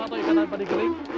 atau ikatan padikering